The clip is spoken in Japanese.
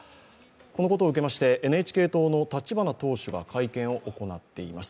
このことを受けましてＮＨＫ党の立花党首が会見を行っています。